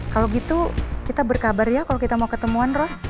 kalau gitu kita berkabar ya kalau kita mau ketemuan ros